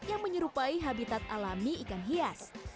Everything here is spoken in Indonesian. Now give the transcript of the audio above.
yang menyerupai habitat alami ikan hias